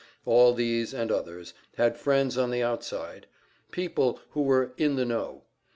All these, and others, had friends on the outside, people who were "in the know."